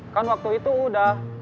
kan waktu itu udah